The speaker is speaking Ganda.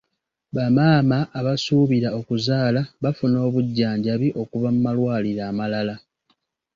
Bamaama abasuubira okuzaala bafuna obujjanjabi okuva mu malwaliro amalala.